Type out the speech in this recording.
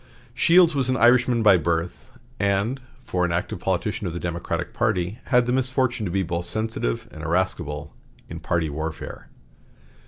Shields was an Irishman by birth, and, for an active politician of the Democratic party, had the misfortune to be both sensitive and irascible in party warfare.